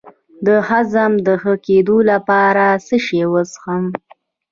د هضم د ښه کیدو لپاره څه شی وڅښم؟